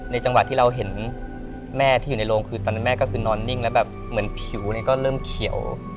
จังหวะที่เราเห็นแม่ที่อยู่ในโรงคือตอนนั้นแม่ก็คือนอนนิ่งแล้วแบบเหมือนผิวก็เริ่มเขียว